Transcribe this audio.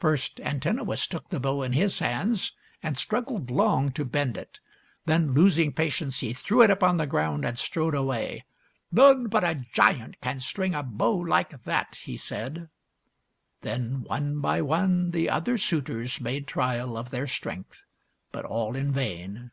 First Antinous took the bow in his hands, and struggled long to bend it. Then, losing patience, he threw it upon the ground and strode away. " None but a giant can string a bow like that," he said. Then, one by one, the other suitors made trial of their strength; but all in vain.